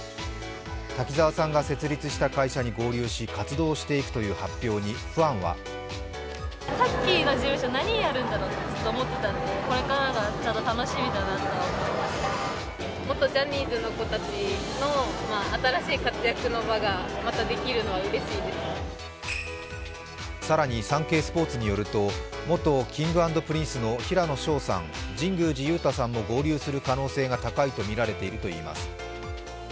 滝沢さんが設立した会社に合流し活動していくという発表にファンは更に、「サンケイスポーツ」によると、元Ｋｉｎｇ＆Ｐｒｉｎｃｅの平野紫耀さん、神宮寺勇太さんも合流する可能性が高いとみられているといいます。